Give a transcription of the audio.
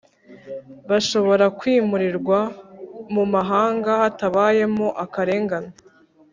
bashobora kwimurirwa mu mahanga hatabayemo akarengane